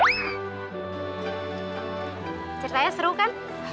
ceritanya seru kan